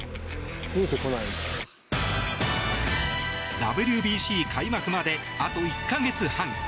ＷＢＣ開催まであと１か月半。